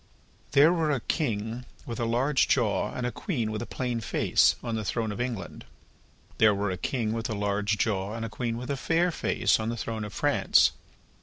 There were a king with a large jaw and a queen with a plain face, on the throne of England; there were a king with a large jaw and a queen with a fair face, on the throne of France.